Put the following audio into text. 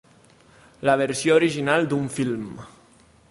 La versió original d'un film.